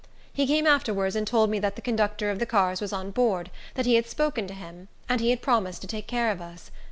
He came afterwards and told me that the conductor of the cars was on board, that he had spoken to him, and he had promised to take care of us.